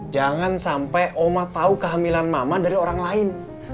jangan sampai oma tahu kehamilan mama dari orang lain